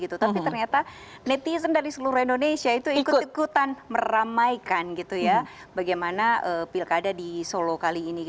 tapi ternyata netizen dari seluruh indonesia itu ikut ikutan meramaikan bagaimana pilkada di solo kali ini